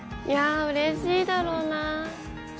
いやぁうれしいだろうな。